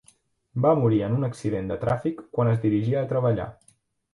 Va morir en un accident de tràfic quan es dirigia a treballar.